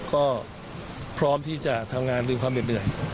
ก็พร้อมจะทำงานด้วยความเหนื่อย